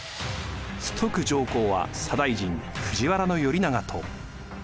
崇徳上皇は左大臣藤原頼長と。